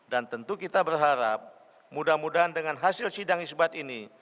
dan tentu kita berharap mudah mudahan dengan hasil sidang isbat ini